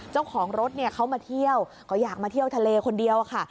เจ้าของรถเนี่ยเขามาเที่ยวก็อยากมาเที่ยวทะเลคนเดียวค่ะ